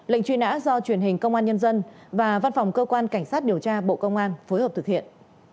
lệnh truy nã do truyền hình công an nhân dân và văn phòng cơ quan cảnh sát điều tra bộ công an phối hợp thực hiện